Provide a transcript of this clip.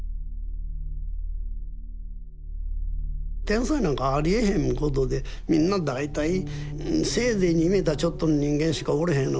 天才なんかありえへんことでみんな大体せいぜい２メーターちょっとの人間しかおれへん。